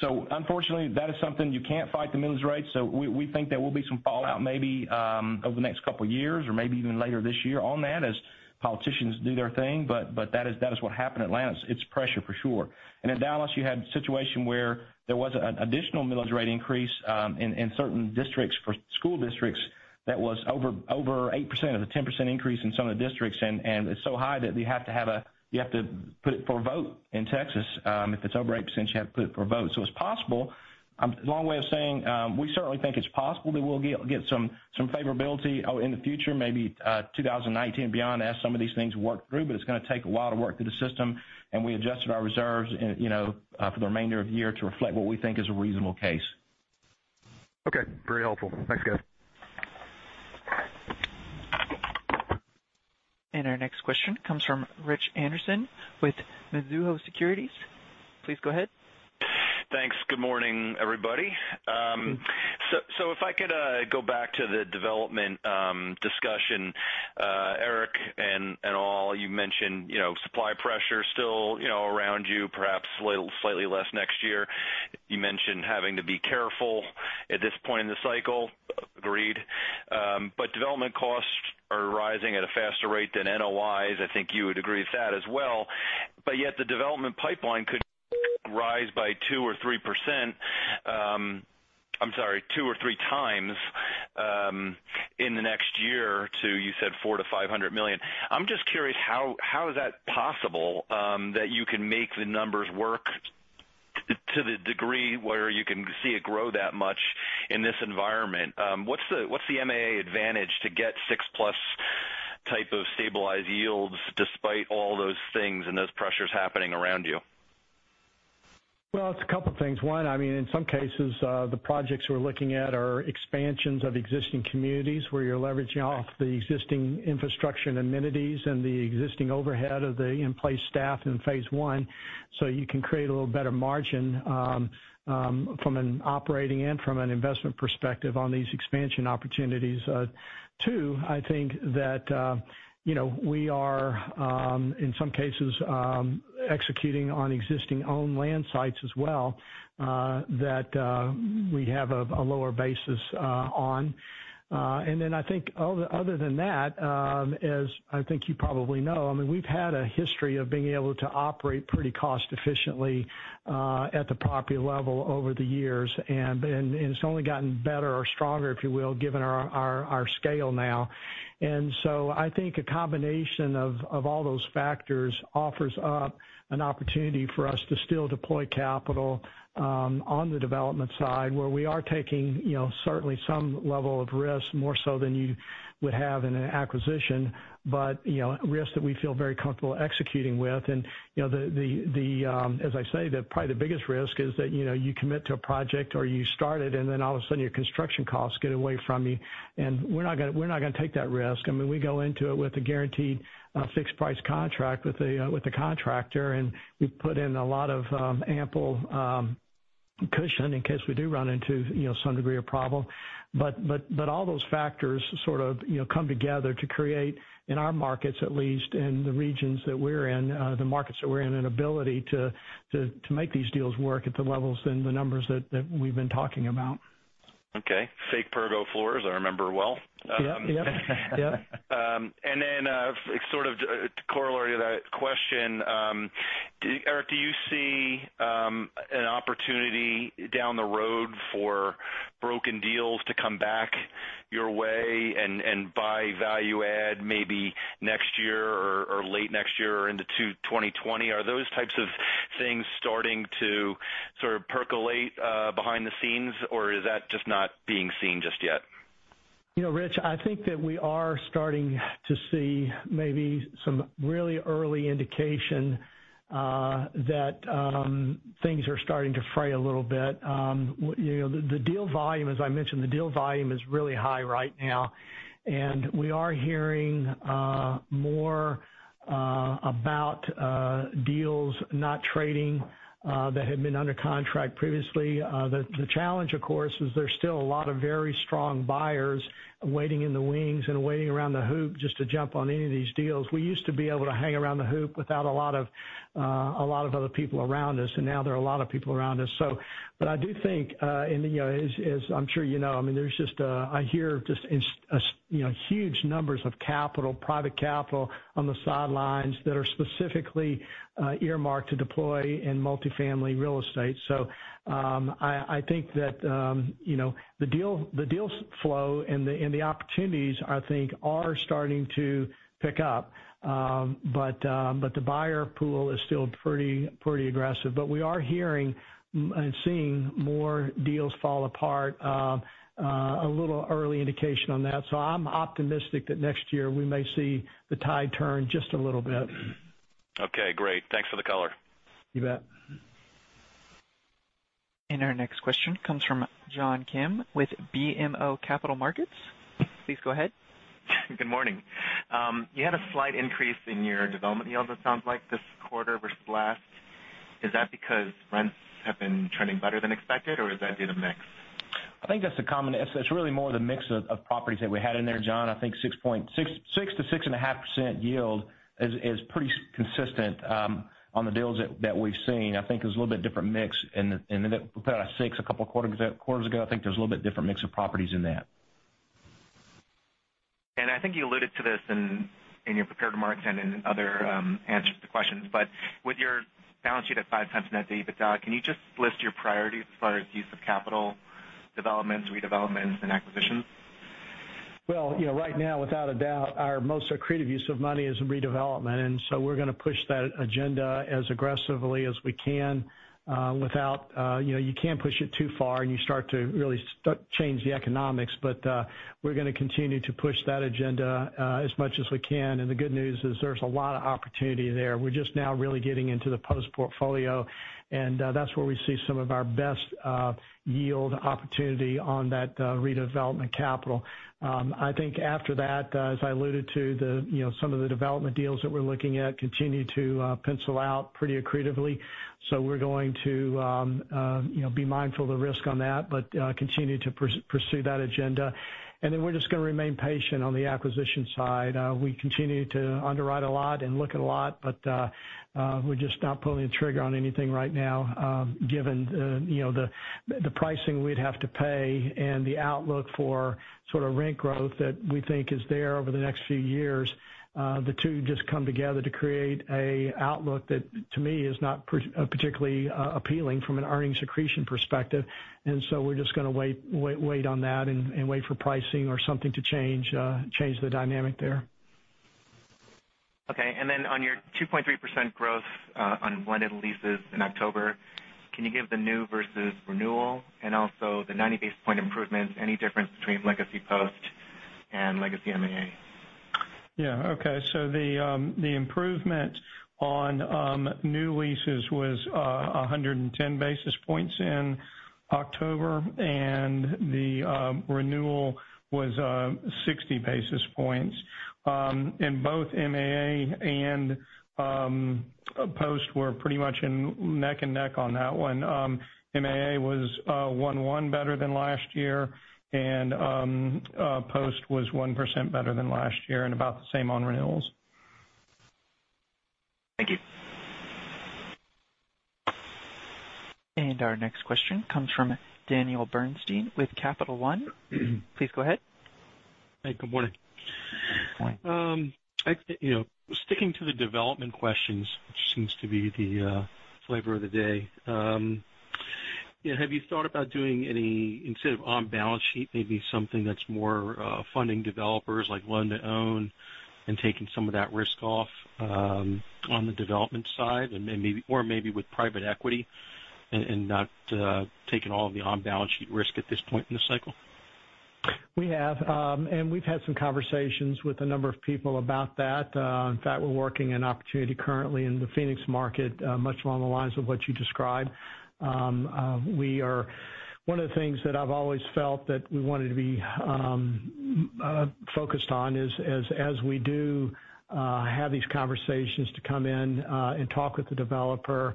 Unfortunately, that is something you can't fight the millage rates. We think there will be some fallout maybe over the next couple of years or maybe even later this year on that as politicians do their thing. That is what happened in Atlanta. It's pressure for sure. In Dallas, you had a situation where there was an additional millage rate increase in certain districts for school districts that was over 8% of the 10% increase in some of the districts, and it's so high that you have to put it for a vote in Texas. If it's over 8%, you have to put it for a vote. It's possible. Long way of saying, we certainly think it's possible that we'll get some favorability in the future, maybe 2019 and beyond, as some of these things work through. It's going to take a lot of work through the system, and we adjusted our reserves for the remainder of the year to reflect what we think is a reasonable case. Okay. Very helpful. Thanks, guys. Our next question comes from Richard Anderson with Mizuho Securities. Please go ahead. Thanks. Good morning, everybody. If I could go back to the development discussion, Eric and all, you mentioned supply pressure still around you, perhaps slightly less next year. You mentioned having to be careful at this point in the cycle. Agreed. Development costs are rising at a faster rate than NOIs. I think you would agree with that as well. Yet the development pipeline could rise by 2% or 3%, I'm sorry, two or three times in the next year to, you said, ($400 million-$500 million). I'm just curious, how is that possible that you can make the numbers work to the degree where you can see it grow that much in this environment? What's the MAA advantage to get 6+ type of stabilized yields despite all those things and those pressures happening around you? It's a couple things. One, in some cases, the projects we're looking at are expansions of existing communities where you're leveraging off the existing infrastructure and amenities and the existing overhead of the in-place staff in phase one. You can create a little better margin from an operating and from an investment perspective on these expansion opportunities. Two, I think that we are, in some cases, executing on existing owned land sites as well that we have a lower basis on. Then I think other than that, as I think you probably know, we've had a history of being able to operate pretty cost efficiently at the property level over the years, and it's only gotten better or stronger, if you will, given our scale now. I think a combination of all those factors offers up an opportunity for us to still deploy capital on the development side, where we are taking certainly some level of risk, more so than you would have in an acquisition, but risk that we feel very comfortable executing with. As I say, probably the biggest risk is that you commit to a project or you start it, then all of a sudden your construction costs get away from you. We're not going to take that risk. We go into it with a guaranteed fixed price contract with the contractor. We put in a lot of ample Cushion in case we do run into some degree of problem. All those factors sort of come together to create, in our markets, at least in the regions that we're in, the markets that we're in, an ability to make these deals work at the levels and the numbers that we've been talking about. Fake Pergo floors, I remember well. Yep. Sort of corollary to that question, Eric, do you see an opportunity down the road for broken deals to come back your way and buy value add maybe next year or late next year or into 2020? Are those types of things starting to sort of percolate behind the scenes, or is that just not being seen just yet? Rich, I think that we are starting to see maybe some really early indication that things are starting to fray a little bit. The deal volume, as I mentioned, the deal volume is really high right now, and we are hearing more about deals not trading that had been under contract previously. The challenge, of course, is there's still a lot of very strong buyers waiting in the wings and waiting around the hoop just to jump on any of these deals. We used to be able to hang around the hoop without a lot of other people around us, and now there are a lot of people around us. I do think, as I'm sure you know, I hear just huge numbers of capital, private capital on the sidelines that are specifically earmarked to deploy in multifamily real estate. I think that the deal flow and the opportunities, I think, are starting to pick up. The buyer pool is still pretty aggressive. We are hearing and seeing more deals fall apart, a little early indication on that. I'm optimistic that next year we may see the tide turn just a little bit. Okay, great. Thanks for the color. You bet. Our next question comes from John Kim with BMO Capital Markets. Please go ahead. Good morning. You had a slight increase in your development yields, it sounds like, this quarter versus last. Is that because rents have been trending better than expected, or is that due to mix? It's really more the mix of properties that we had in there, John. I think 6%-6.5% yield is pretty consistent on the deals that we've seen. I think there's a little bit different mix. About a six a couple quarters ago, I think there's a little bit different mix of properties in that. I think you alluded to this in your prepared remarks and in other answers to questions, with your balance sheet at five times net debt, EBITDA, can you just list your priorities as far as use of capital development, redevelopment, and acquisitions? Right now, without a doubt, our most accretive use of money is in redevelopment. We're going to push that agenda as aggressively as we can. You can't push it too far, and you start to really change the economics. We're going to continue to push that agenda as much as we can. The good news is there's a lot of opportunity there. We're just now really getting into the Post portfolio, and that's where we see some of our best yield opportunity on that redevelopment capital. I think after that, as I alluded to, some of the development deals that we're looking at continue to pencil out pretty accretively. We're going to be mindful of the risk on that, but continue to pursue that agenda. We're just going to remain patient on the acquisition side. We continue to underwrite a lot and look at a lot, but we're just not pulling the trigger on anything right now given the pricing we'd have to pay and the outlook for sort of rent growth that we think is there over the next few years. The two just come together to create an outlook that, to me, is not particularly appealing from an earnings accretion perspective. We're just going to wait on that and wait for pricing or something to change the dynamic there. On your 2.3% growth on blended leases in October, can you give the new versus renewal and also the 90 basis point improvements, any difference between legacy Post and legacy MAA? Yeah. Okay. The improvement on new leases was 110 basis points in October, and the renewal was 60 basis points. Both MAA and Post were pretty much neck and neck on that one. MAA was 1.1 better than last year, and Post was 1% better than last year and about the same on renewals. Thank you. Our next question comes from Daniel Bernstein with Capital One. Please go ahead. Hey, good morning. Good morning. Sticking to the development questions, which seems to be the flavor of the day, have you thought about doing any, instead of on-balance-sheet, maybe something that's more funding developers, like lend-to-own and taking some of that risk off on the development side, or maybe with private equity and not taking all the on-balance-sheet risk at this point in the cycle? We have. We've had some conversations with a number of people about that. In fact, we're working an opportunity currently in the Phoenix market much along the lines of what you described. One of the things that I've always felt that we wanted to be focused on is, as we do have these conversations to come in and talk with the developer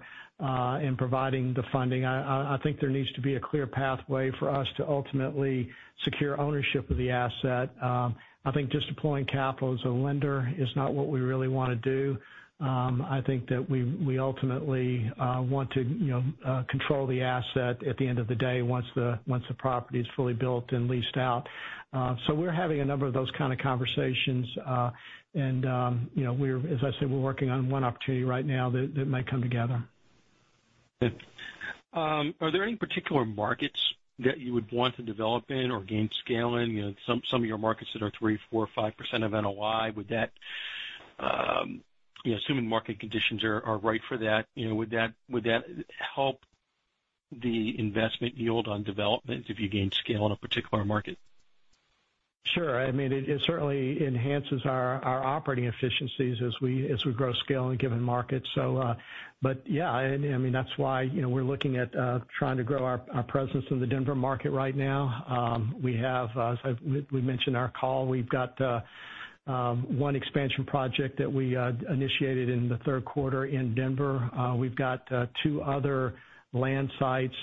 in providing the funding, I think there needs to be a clear pathway for us to ultimately secure ownership of the asset. I think just deploying capital as a lender is not what we really want to do. I think that we ultimately want to control the asset at the end of the day, once the property is fully built and leased out. We're having a number of those kind of conversations. As I said, we're working on one opportunity right now that may come together. Are there any particular markets that you would want to develop in or gain scale in? Some of your markets that are 3%, 4%, 5% of NOI, assuming market conditions are right for that, would that help the investment yield on development if you gain scale in a particular market? Sure. It certainly enhances our operating efficiencies as we grow scale in a given market. Yes, that's why we're looking at trying to grow our presence in the Denver market right now. We mentioned in our call, we've got one expansion project that we initiated in the third quarter in Denver. We've got two other land sites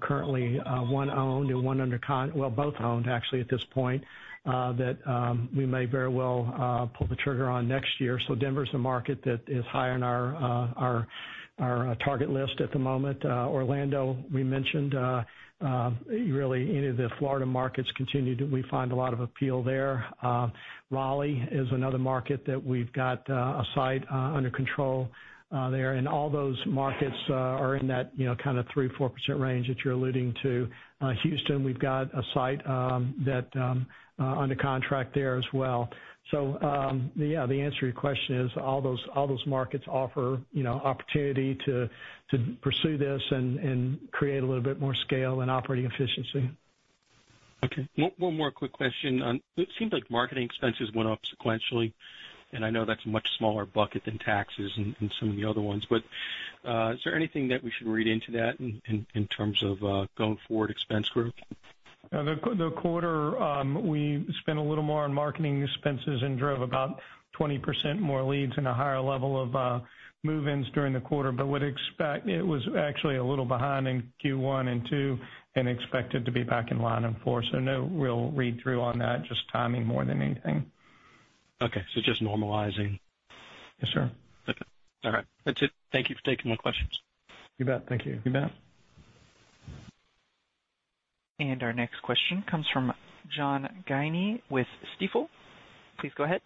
currently, one owned and, well, both owned actually at this point, that we may very well pull the trigger on next year. Denver's the market that is high on our target list at the moment. Orlando, we mentioned. Really any of the Florida markets, we find a lot of appeal there. Raleigh is another market that we've got a site under control there. All those markets are in that 3%, 4% range that you're alluding to. Houston, we've got a site under contract there as well. The answer to your question is all those markets offer opportunity to pursue this and create a little bit more scale and operating efficiency. Okay. One more quick question. It seems like marketing expenses went up sequentially. I know that's a much smaller bucket than taxes and some of the other ones. Is there anything that we should read into that in terms of going forward expense growth? The quarter, we spent a little more on marketing expenses and drove about 20% more leads and a higher level of move-ins during the quarter. It was actually a little behind in Q1 and Q2 and expected to be back in line in Q4. No real read-through on that, just timing more than anything. Okay. Just normalizing. Yes, sir. Okay. All right. That's it. Thank you for taking my questions. You bet. Thank you. You bet. Our next question comes from John Guinee with Stifel. Please go ahead.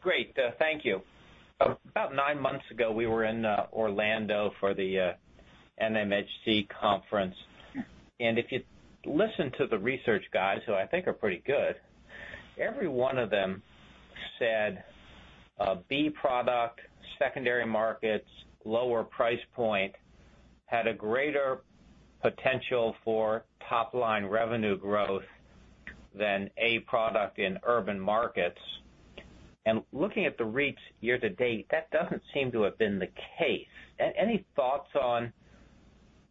Great. Thank you. About nine months ago, we were in Orlando for the NMHC conference. If you listen to the research guys, who I think are pretty good, every one of them said B product, secondary markets, lower price point, had a greater potential for top-line revenue growth than A product in urban markets. Looking at the REITs year-to-date, that doesn't seem to have been the case. Any thoughts on,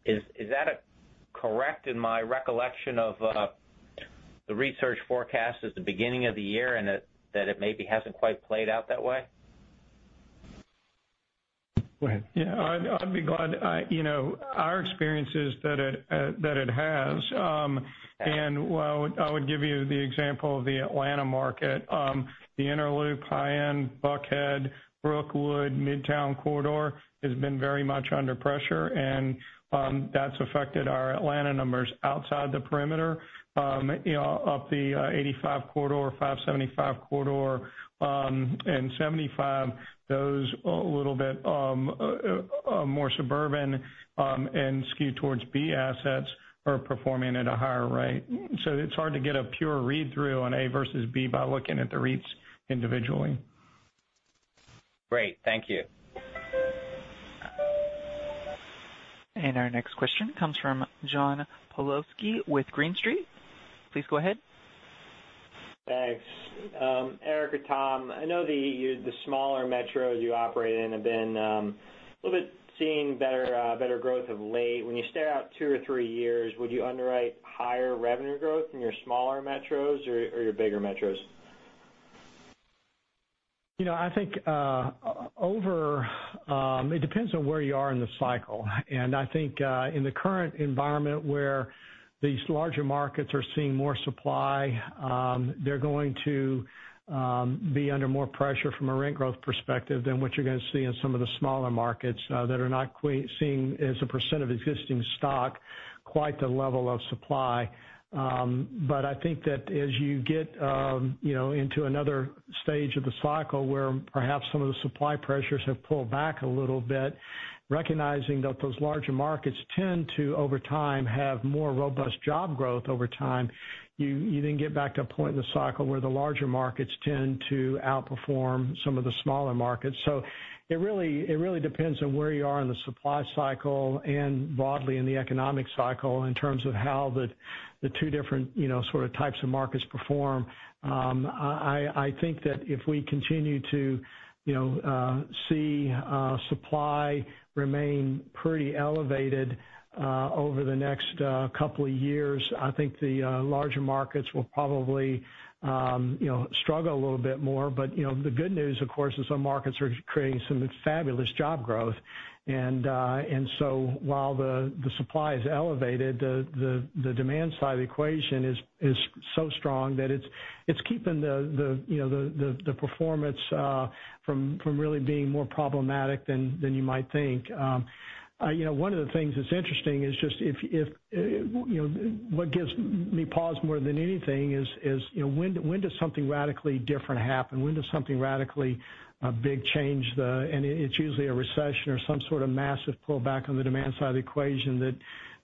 is that correct in my recollection of the research forecast at the beginning of the year, and that it maybe hasn't quite played out that way? Go ahead. Yeah. Our experience is that it has. I would give you the example of the Atlanta market. The Innerloop, High-End Buckhead, Brookwood, Midtown Corridor has been very much under pressure, and that's affected our Atlanta numbers outside the perimeter. Up the 85 corridor, 575 corridor, and 75, those a little bit more suburban and skewed towards B assets are performing at a higher rate. It's hard to get a pure read-through on A versus B by looking at the REITs individually. Great. Thank you. Our next question comes from John Pawlowski with Green Street. Please go ahead. Thanks. Eric or Tom, I know the smaller metros you operate in have been a little bit seeing better growth of late. When you stare out two or three years, would you underwrite higher revenue growth in your smaller metros or your bigger metros? I think it depends on where you are in the cycle. I think in the current environment, where these larger markets are seeing more supply, they're going to be under more pressure from a rent growth perspective than what you're going to see in some of the smaller markets that are not seeing, as a % of existing stock, quite the level of supply. I think that as you get into another stage of the cycle where perhaps some of the supply pressures have pulled back a little bit, recognizing that those larger markets tend to, over time, have more robust job growth over time. You then get back to a point in the cycle where the larger markets tend to outperform some of the smaller markets. It really depends on where you are in the supply cycle and broadly in the economic cycle in terms of how the 2 different sort of types of markets perform. I think that if we continue to see supply remain pretty elevated over the next couple of years, I think the larger markets will probably struggle a little bit more. The good news, of course, is some markets are creating some fabulous job growth. While the supply is elevated, the demand side of the equation is so strong that it's keeping the performance from really being more problematic than you might think. One of the things that's interesting is just what gives me pause more than anything is when does something radically different happen? When does something radically big change? It's usually a recession or some sort of massive pullback on the demand side of the equation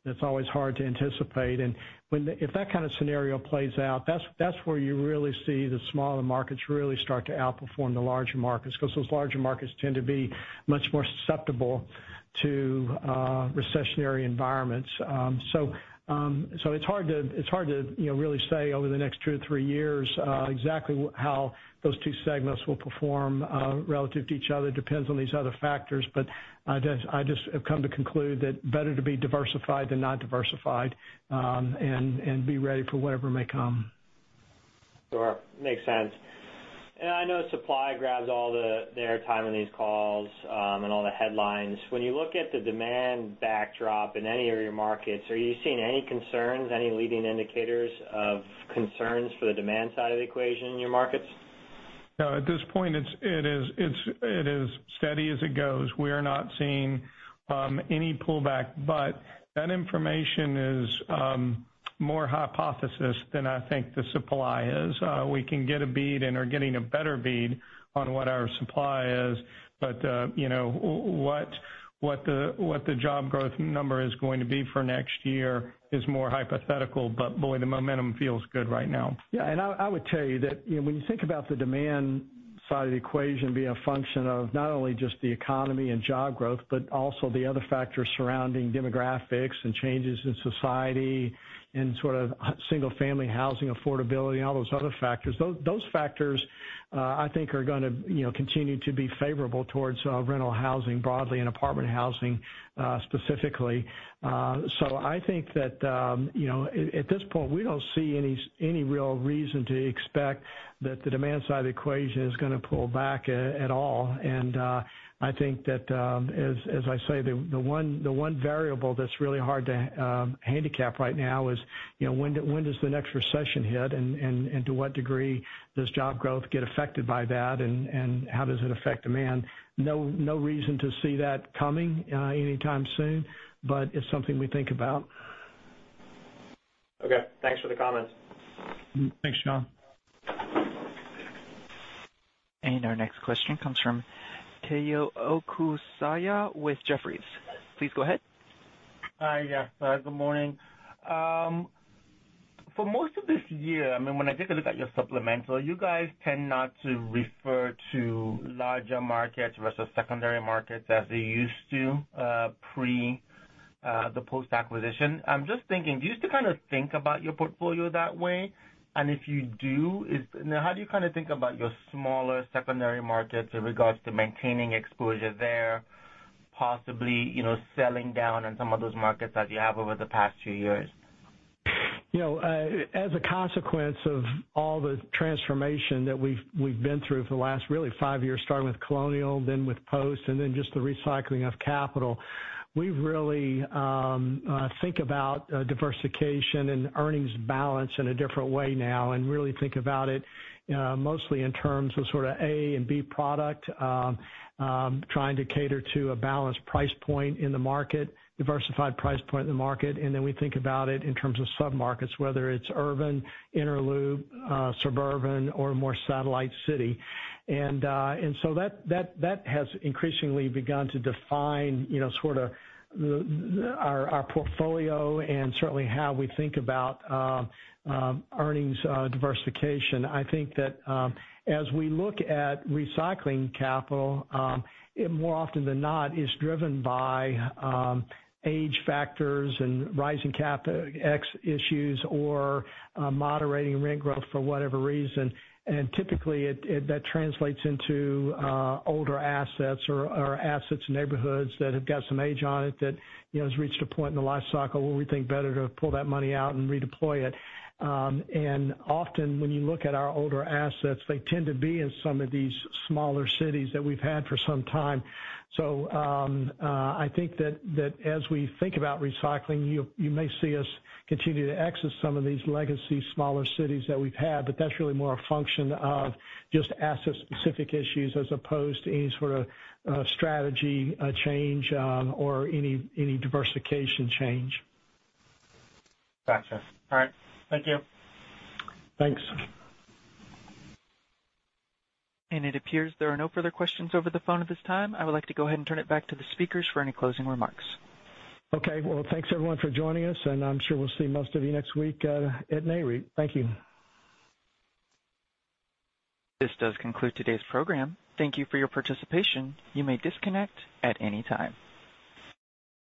that's always hard to anticipate. If that kind of scenario plays out, that's where you really see the smaller markets really start to outperform the larger markets, because those larger markets tend to be much more susceptible to recessionary environments. It's hard to really say over the next two to three years exactly how those 2 segments will perform relative to each other. Depends on these other factors. I just have come to conclude that better to be diversified than not diversified, and be ready for whatever may come. Sure. Makes sense. I know supply grabs all the airtime in these calls, and all the headlines. When you look at the demand backdrop in any of your markets, are you seeing any concerns, any leading indicators of concerns for the demand side of the equation in your markets? No, at this point, it is steady as it goes. We are not seeing any pullback. That information is more hypothesis than I think the supply is. We can get a bead and are getting a better bead on what our supply is. What the job growth number is going to be for next year is more hypothetical. Boy, the momentum feels good right now. Yeah, I would tell you that when you think about the demand side of the equation being a function of not only just the economy and job growth, but also the other factors surrounding demographics and changes in society and sort of single-family housing affordability and all those other factors. Those factors, I think, are going to continue to be favorable towards rental housing broadly and apartment housing specifically. I think that at this point, we don't see any real reason to expect that the demand side of the equation is going to pull back at all. I think that as I say, the one variable that's really hard to handicap right now is when does the next recession hit and to what degree does job growth get affected by that and how does it affect demand? No reason to see that coming anytime soon, but it's something we think about. Okay. Thanks for the comments. Thanks, John. Our next question comes from Omotayo Okusanya with Jefferies. Please go ahead. Hi. Yeah. Good morning. For most of this year, when I take a look at your supplemental, you guys tend not to refer to larger markets versus secondary markets as they used to pre the Post acquisition. I'm just thinking, do you still kind of think about your portfolio that way? If you do, how do you kind of think about your smaller secondary markets with regards to maintaining exposure there, possibly selling down on some of those markets as you have over the past few years? As a consequence of all the transformation that we've been through for the last really five years, starting with Colonial, then with Post, then just the recycling of capital. We really think about diversification and earnings balance in a different way now, really think about it mostly in terms of sort of A and B product, trying to cater to a balanced price point in the market, diversified price point in the market, then we think about it in terms of sub-markets, whether it's urban, inner-loop, suburban, or more satellite city. That has increasingly begun to define sort of our portfolio and certainly how we think about earnings diversification. I think that as we look at recycling capital, it more often than not is driven by age factors and rising CapEx issues or moderating rent growth for whatever reason. Typically, that translates into older assets or assets in neighborhoods that have got some age on it that has reached a point in the life cycle where we think better to pull that money out and redeploy it. Often when you look at our older assets, they tend to be in some of these smaller cities that we've had for some time. I think that as we think about recycling, you may see us continue to exit some of these legacy smaller cities that we've had, but that's really more a function of just asset-specific issues as opposed to any sort of strategy change or any diversification change. Gotcha. All right. Thank you. Thanks. It appears there are no further questions over the phone at this time. I would like to go ahead and turn it back to the speakers for any closing remarks. Okay. Well, thanks everyone for joining us, and I'm sure we'll see most of you next week at Nareit. Thank you. This does conclude today's program. Thank you for your participation. You may disconnect at any time.